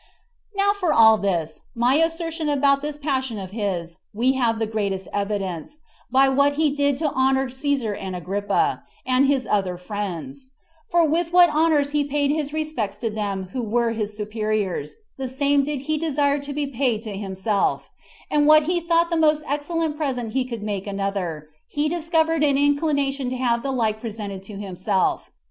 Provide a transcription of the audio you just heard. Now for this, my assertion about that passion of his, we have the greatest evidence, by what he did to honor Cæsar and Agrippa, and his other friends; for with what honors he paid his respects to them who were his superiors, the same did he desire to be paid to himself; and what he thought the most excellent present he could make another, he discovered an inclination to have the like presented to himself.